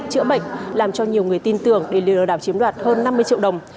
chữa bệnh làm cho nhiều người tin tưởng để lừa đảo chiếm đoạt hơn năm mươi triệu đồng